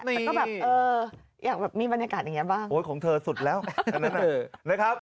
แต่ก็แบบเอออยากแบบมีบรรยากาศอย่างนี้บ้างโอ๊ยของเธอสุดแล้วอันนั้นนะครับ